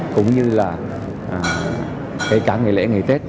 cũng như là ngày lễ ngày tết